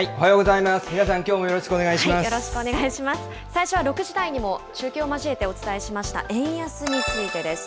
最初は、６時台にも中継を交えてお伝えしました円安についてです。